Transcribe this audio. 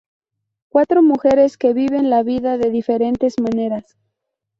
Cuatro mujeres que viven la vida de diferentes maneras.